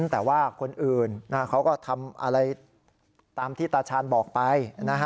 แต่ว่าคนอื่นเขาก็ทำอะไรตามที่ตาชาญบอกไป